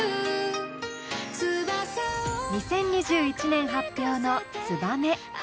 ２０２１年発表の「ツバメ」。